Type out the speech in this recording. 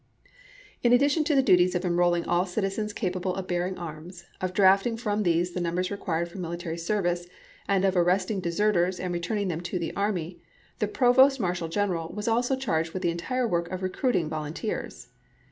In addition to the duties of enrolling all citizens capable of bearing arms, of drafting from these the numbers required for military service, and of ar resting deserters and returning them to the army, the Provost Marshal General was also charged with the entire work of recruiting volunteers.